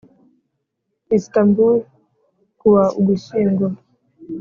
Istanbul ku wa ugushyingo